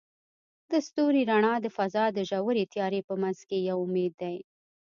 د ستوري رڼا د فضاء د ژورې تیارې په منځ کې یو امید دی.